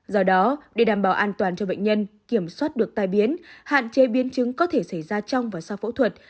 do đó để đảm bảo an toàn cho bệnh nhân kiểm soát được tai biến hạn chế biến chứng có thể xảy ra trong và sau phẫu thuật